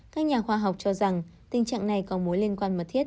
các nhà khoa học cho rằng tình trạng này có mối liên quan mật thiết